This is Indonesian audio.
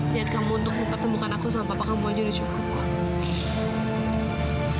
niat kamu untuk mempertemukan aku sama papa kamu aja udah cukup